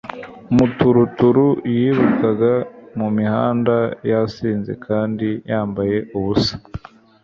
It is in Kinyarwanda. Maturuturu yirukaga mu mihanda yasinze kandi yambaye ubusa